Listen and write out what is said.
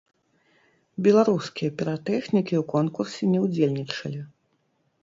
Беларускія піратэхнікі ў конкурсе не ўдзельнічалі.